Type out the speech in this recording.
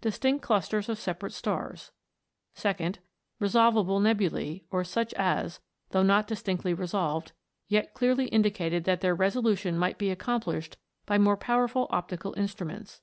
Dis tinct clusters of separate stars ; 2nd. Resolvable nebulae, or such as, though not distinctly resolved, yet clearly indicated that their resolution might be accomplished by more powerful optical instruments.